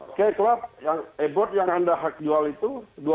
oke klub e board yang anda hak jual itu dua puluh